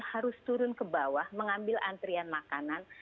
harus turun ke bawah mengambil antrian makanan